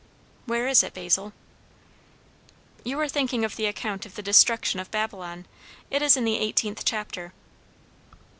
"Where is it, Basil?" "You are thinking of the account of the destruction of Babylon. It is in the eighteenth chapter."